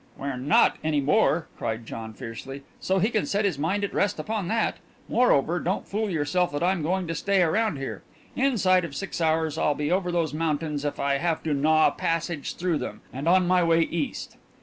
"We're not, any more!" cried John fiercely, "so he can set his mind at rest upon that. Moreover, don't fool yourself that I'm going to stay around here. Inside of six hours I'll be over those mountains, if I have to gnaw a passage through them, and on my way East."